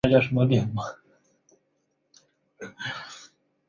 利奥波德六世原本以为安德烈会接受摄政这荣誉。